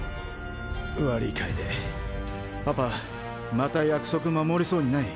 悪い楓パパまた約束守れそうにない。